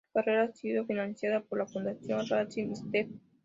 Su carrera ha sido financiada por la Fundación Racing Steps.